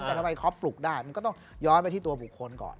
แต่ทำไมเขาปลุกได้มันก็ต้องย้อนไปที่ตัวบุคคลก่อน